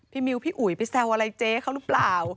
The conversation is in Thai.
มิวพี่อุ๋ยไปแซวอะไรเจ๊เขาหรือเปล่า